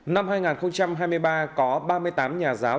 năm hai nghìn hai mươi ba có ba mươi tám nhà giáo